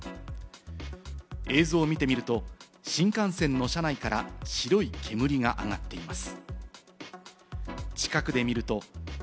映像を見てみると、新幹線の車内から白い煙が上がっています。